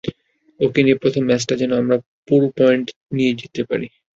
ওকে নিয়ে প্রথম ম্যাচটা যেন আমরা পুরো পয়েন্ট নিয়ে জিততে পারি।